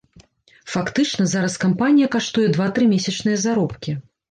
Фактычна, зараз кампанія каштуе два-тры месячныя заробкі.